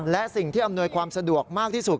และสิ่งที่อำนวยความสะดวกมากที่สุด